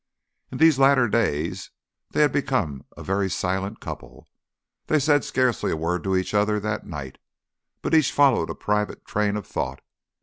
In these latter days they had become a very silent couple; they said scarcely a word to each other that night, but each followed a private train of thought.